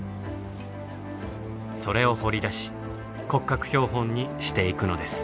それを掘り出し骨格標本にしていくのです。